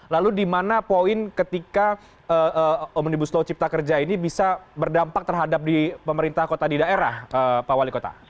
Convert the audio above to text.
lalu di mana poin ketika omnibus law cipta kerja ini bisa berdampak terhadap di pemerintah kota di daerah pak wali kota